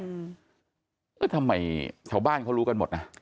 เออทำไมชาวบ้านเขารู้กันหมดนะ